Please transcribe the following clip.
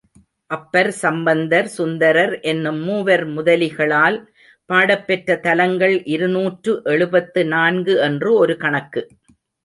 அப்பர், சம்பந்தர், சுந்தரர் என்னும் மூவர் முதலிகளால் பாடப்பெற்ற தலங்கள் இருநூற்று எழுபத்து நான்கு என்று ஒரு கணக்கு.